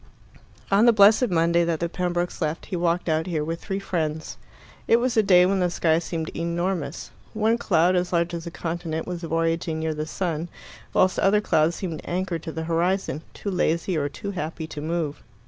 On the blessed Monday that the Pembrokes left, he walked out here with three friends. It was a day when the sky seemed enormous. One cloud, as large as a continent, was voyaging near the sun, whilst other clouds seemed anchored to the horizon, too lazy or too happy to move.